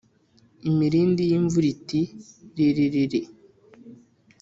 Imirindi y'imvura iti riririri